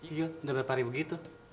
iya udah berpari begitu